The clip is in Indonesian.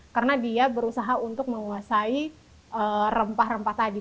karena dia berusaha untuk menguasai rempah rempah tadi